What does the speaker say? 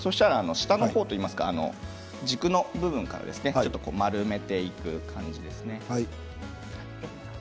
下の方っていうか軸の方から丸めていく感じですね。